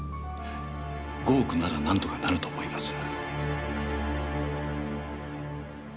５億ならなんとかなると思います。